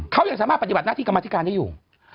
เขายังสามารถปฏิบัติหน้าที่กรรมธิการได้อยู่